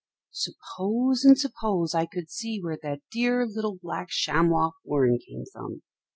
"SUPPOSE and suppose I could see where that dear little black chamois horn came from!